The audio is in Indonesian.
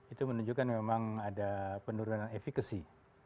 itu menunjukkan memang ada penurunan efekasi